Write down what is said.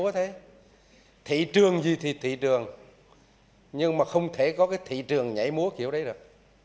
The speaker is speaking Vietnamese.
thị trường gì thì thị trường nhưng mà không thể có cái thị trường nhảy múa kiểu đấy được